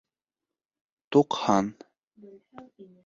Туҡһан